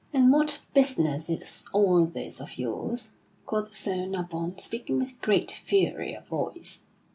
"And what business is all this of yours?" quoth Sir Nabon, speaking with great fury of voice.